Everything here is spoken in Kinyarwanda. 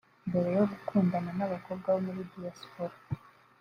Mbere yo gukundana n’abakobwa bo muri Diaspora